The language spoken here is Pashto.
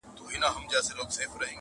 • د حبیبي او د رشاد او بېنوا کلی دی -